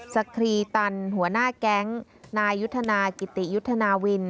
สครีตันหัวหน้าแก๊งนายยุทธนากิติยุทธนาวิน